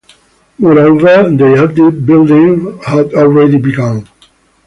Moreover, they added, building had already begun.